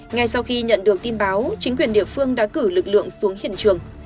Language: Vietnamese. ngay sau khi nhận được tin báo chính quyền địa phương đã cử lực lượng xuống hiện trường